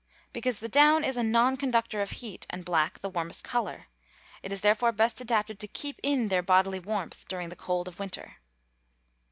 _ Because the down is a non conductor of heat, and black the warmest colour. It is therefore best adapted to keep in their bodily warmth during the cold of winter.